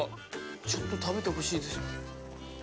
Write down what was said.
ちょっと食べてほしいです。